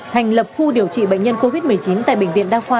thành lập khu điều trị bệnh nhân covid một mươi chín tại bệnh viện đa khoa